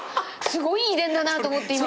すごい遺伝だなと思って今。